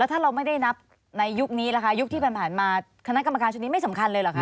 ถ้าเราไม่ได้นับในยุคนี้ล่ะคะยุคที่ผ่านมาคณะกรรมการชุดนี้ไม่สำคัญเลยเหรอคะ